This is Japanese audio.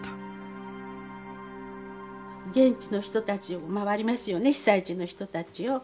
現地の人たちを回りますよね被災地の人たちを。